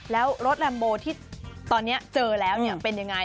แล้วรถแรมโบที่ตอนนี้เจอแล้วเป็นยังไง